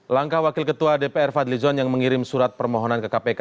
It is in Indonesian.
langkah wakil ketua dpr fadlizon yang mengirim surat permohonan ke kpk